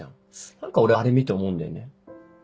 何か俺あれ見て思うんだよね。